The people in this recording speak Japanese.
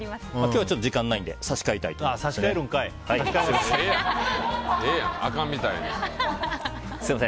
今日は時間がないので差し替えたいと思います。